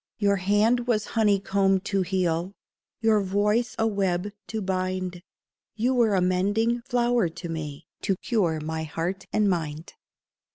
Your hand was honey comb to heal, Your voice a web to bind. You were a Mending Flower to me To cure my heart and mind.